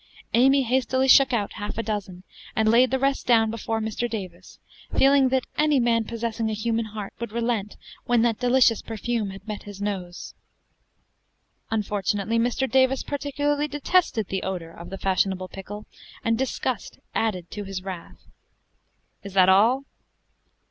Amy hastily shook out half a dozen, and laid the rest down before Mr. Davis, feeling that any man possessing a human heart would relent when that delicious perfume met his nose. Unfortunately, Mr. Davis particularly detested the odor of the fashionable pickle, and disgust added to his wrath. "Is that all?"